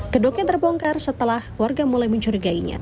kedoknya terbongkar setelah warga mulai mencurigainya